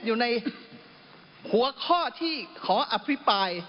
อยู่ในหัวข้อที่ขออภิปราย